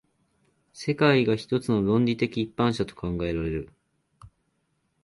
世界が一つの論理的一般者と考えられる。